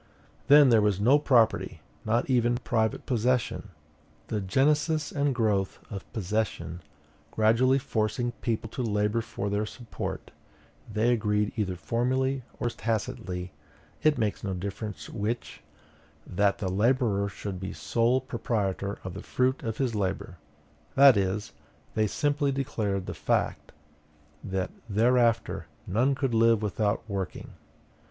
Then there was no property, not even private possession. The genesis and growth of possession gradually forcing people to labor for their support, they agreed either formally or tacitly, it makes no difference which, that the laborer should be sole proprietor of the fruit of his labor; that is, they simply declared the fact that thereafter none could live without working.